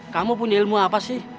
kamu punya ilmu apa sih